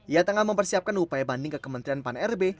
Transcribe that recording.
ia tengah mempersiapkan upaya banding ke kementerian pan rb